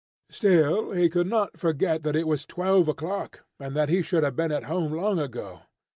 Still, he could not forget that it was twelve o'clock, and that he should have been at home long ago.